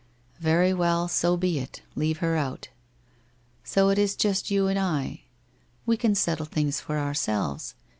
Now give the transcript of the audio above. Very well, so be it, leave her out. So it is just you and I. We can settle things for ourselves.